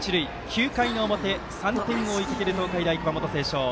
９回の表、３点を追いかける東海大熊本星翔。